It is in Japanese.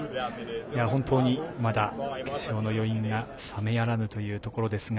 本当に、まだ決勝の余韻が冷めやらぬというところですが。